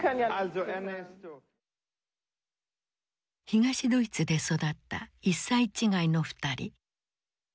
東ドイツで育った１歳違いの２人。